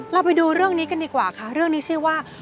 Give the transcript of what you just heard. เราไปดูเรื่องนี้กันดีกว่าค่ะเรื่องนี้ชื่อว่า